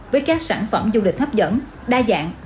với các sản phẩm du lịch hấp dẫn